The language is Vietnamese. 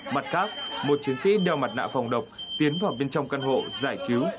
mặt khác một chiến sĩ đeo mặt nạ phòng độc tiến vào bên trong căn hộ giải cứu